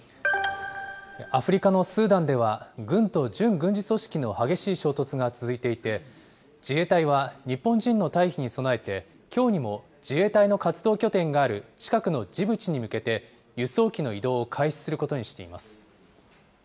アフリカのスーダンでは、軍と準軍事組織の激しい衝突が続いていて、自衛隊は日本人の退避に備えて、きょうにも自衛隊の活動拠点がある近くのジブチに向けて、輸送機の移動を開始することにしています。